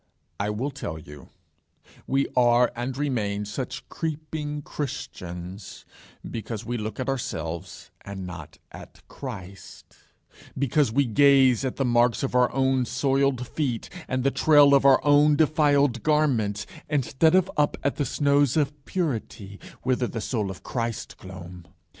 I will tell you. We are and remain such creeping Christians, because we look at ourselves and not at Christ; because we gaze at the marks of our own soiled feet, and the trail of our own defiled garments, instead of up at the snows of purity, whither the soul of Christ clomb.